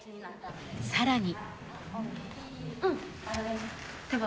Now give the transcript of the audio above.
さらに。